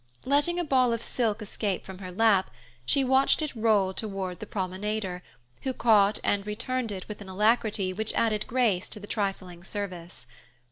Letting a ball of silk escape from her lap, she watched it roll toward the promenader, who caught and returned it with an alacrity which added grace to the trifling service.